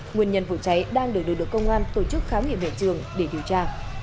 nguyên nhân vụ cháy đang được đưa được công an tổ chức khám nghiệm hệ trường để điều tra